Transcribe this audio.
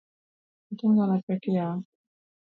Atonga no pek yawa.